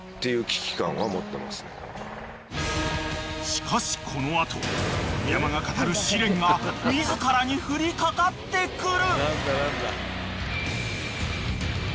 ［しかしこの後古山が語る試練が自らに降りかかってくる］